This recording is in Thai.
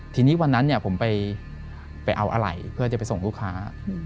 ทีนี้วันนั้นผมไปเอาอะไรเพื่อจะไปส่งลูกค้า